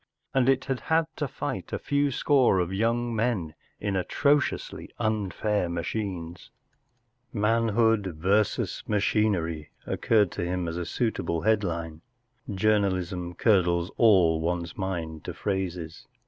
And it had had to fight a few score of young men in atrociously unfair machines ! “Manhood versus Machinery” occurred to him as a suitable headline. Journalism curdles all one's mind to phrases.